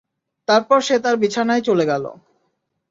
তারপর সে তার বিছানায় চলে গেল।